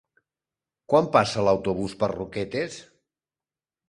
Quan passa l'autobús per Roquetes?